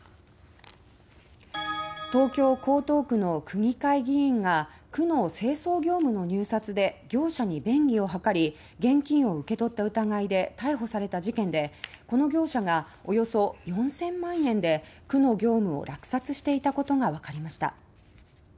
東京・江東区の区議会議員が区の清掃業務の入札で業者に便宜を図り現金を受け取った疑いで逮捕された事件でこの業者がおよそ４０００万円で区の業務を落札していたことが分かりました。